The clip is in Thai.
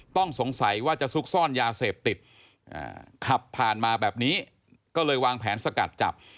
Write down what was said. ต้องสงสัยว่าจะซุกซ่อนยาเสพติดขับผ่านมาแบบนี้ก็เลยวางแผนสกัดจับ